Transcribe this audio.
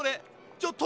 ちょっと！